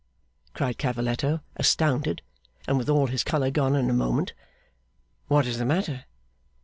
cried Cavalletto, astounded, and with all his colour gone in a moment. 'What is the matter?